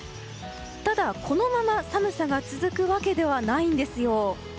ただ、このまま寒さが続くわけではないんですよ。